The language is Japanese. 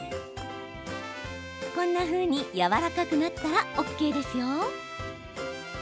こんなふうにやわらかくなったらＯＫですよ。